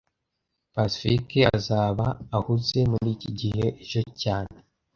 Pacifique azaba ahuze muriki gihe ejo cyane